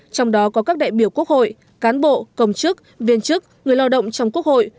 trong đó có các đại biểu quốc hội cán bộ công chức viên chức người lao động trong quốc hội